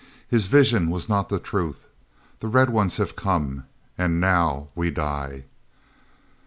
His vision was not the truth. The Red Ones have come. And now—we die."